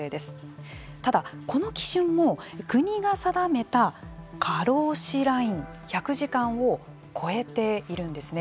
ただこの基準も国が定めた過労死ライン１００時間を超えているんですね。